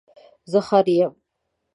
زه خر یم